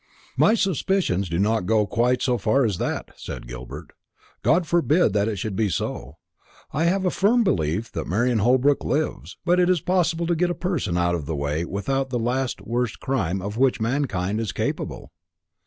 "My suspicions do not go quite so far as that," said Gilbert. "God forbid that it should be so. I have a firm belief that Marian Holbrook lives. But it is possible to get a person out of the way without the last worst crime of which mankind is capable."